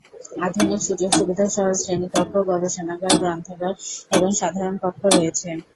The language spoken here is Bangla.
আধুনিক সুযোগ সুবিধা সহ শ্রেণীকক্ষ, গবেষণাগার, গ্রন্থাগার এবং সাধারণ কক্ষ রয়েছে।